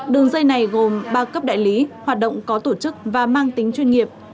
đường dây này gồm ba cấp đại lý hoạt động có tổ chức và mang tính chuyên nghiệp